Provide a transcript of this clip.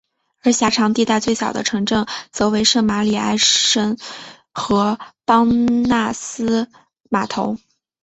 而狭长地带最小的城镇则为圣玛里埃什和邦纳斯码头。